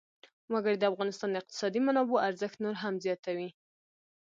وګړي د افغانستان د اقتصادي منابعو ارزښت نور هم زیاتوي.